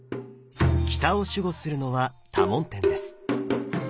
北を守護するのは多聞天です。